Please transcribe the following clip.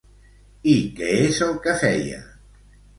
I què és el que feia?